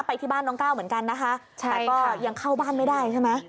ไปที่บ้านน้องก้าวเหมือนกันนะคะใช่แต่ก็ยังเข้าบ้านไม่ได้ใช่ไหม